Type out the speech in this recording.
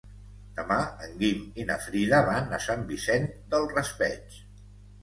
Demà en Guim i na Frida van a Sant Vicent del Raspeig.